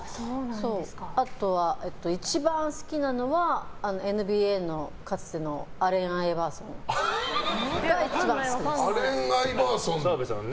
あとは一番好きなのはＮＢＡのかつてのアレン・アイバーソンがアレン・アイバーソン